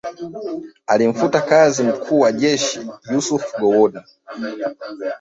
Alimfuta kazi mkuu wa jeshi Yusuf Gowon